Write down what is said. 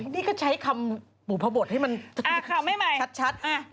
นี่ก็ใช้คำหมู่พบทให้มันชัดข่าวใหม่